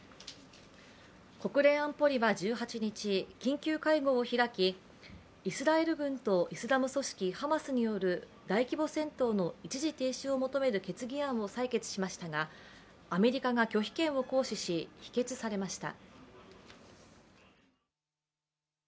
国連安保理は１８日、緊急会合を開き、イスラエル軍とイスラム組織ハマスによる大規模戦闘の一時停止を求める決議案を採決しましたがアメリカが拒否権を行使し、否決されました。